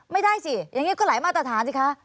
ไม่ได้สิอย่างนี้ก็หลายมาตรฐานสิคะ